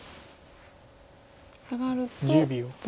サガると。